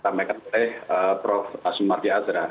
sampaikan oleh prof asyaf maziazra